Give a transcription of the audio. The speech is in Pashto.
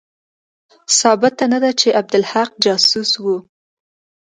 ثابته نه ده چې عبدالحق جاسوس وو.